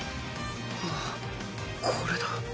あぁこれだ。